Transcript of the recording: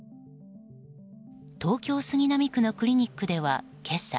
東京・杉並区のクリニックでは今朝。